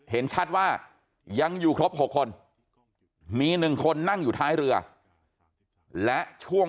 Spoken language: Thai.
เห็นชัดว่ายังอยู่ครบ๖คนมี๑คนนั่งอยู่ท้ายเรือและช่วง